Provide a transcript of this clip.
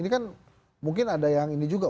ini kan mungkin ada yang ini juga